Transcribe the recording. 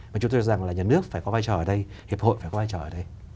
và chúng tôi cho rằng là nhà nước phải có vai trò ở đây hiệp hội phải có vai trò ở đây